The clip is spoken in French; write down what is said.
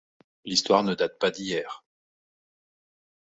L'histoire ne date pas d'hier.